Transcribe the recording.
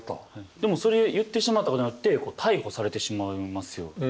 でもそれ言ってしまったことによって逮捕されてしまいますよね。